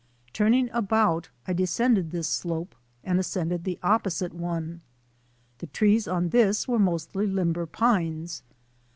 Turning about I descended this slope and ascended the opposite one. The trees on this were mostly limber pines.